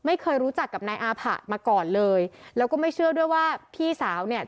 ไม่เคยรู้จักกับนายอาผะมาก่อนเลยแล้วก็ไม่เชื่อด้วยว่าพี่สาวเนี่ย